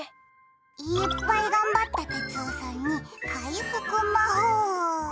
いっぱい頑張った哲夫さんに回復魔法。